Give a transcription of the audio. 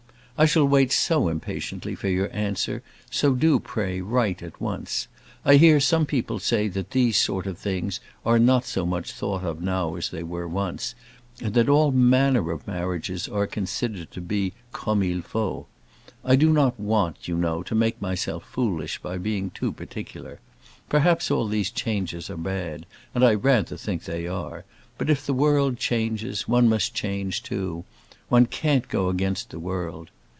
I shall wait so impatiently for your answer, so do pray write at once. I hear some people say that these sort of things are not so much thought of now as they were once, and that all manner of marriages are considered to be comme il faut. I do not want, you know, to make myself foolish by being too particular. Perhaps all these changes are bad, and I rather think they are; but if the world changes, one must change too; one can't go against the world.